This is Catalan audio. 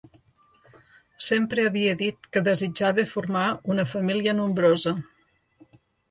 Sempre havia dit que desitjava formar una família nombrosa.